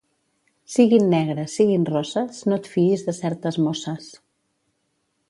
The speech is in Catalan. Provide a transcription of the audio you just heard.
Siguin negres, siguin rosses, no et fiïs de certes mosses.